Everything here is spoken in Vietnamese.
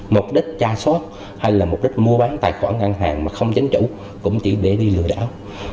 mục đích tra soát hay là mục đích mua bán tài khoản ngân hàng mà không chính chủ cũng chỉ để đi lừa đảo